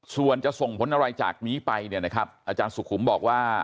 ส่วนจะส่งผลอะไรจากนี้ไปเนี่ยนะครับอาจารย์สุขุมบอกว่า